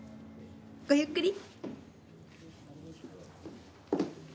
ごゆっくり。